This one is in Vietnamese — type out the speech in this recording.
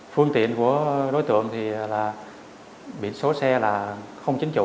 phương tiện của đối tượng là biển số xe không chính chủ